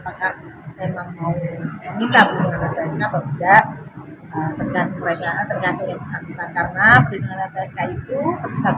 apakah memang mau meminta pengunggahan psk atau tidak tergantung dari saksikan